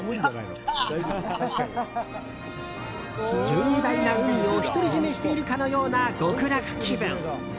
雄大な海を独り占めしているかのような極楽気分。